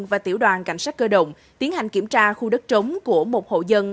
và tiểu đoàn cảnh sát cơ động tiến hành kiểm tra khu đất trống của một hộ dân